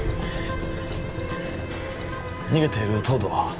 逃げている東堂は？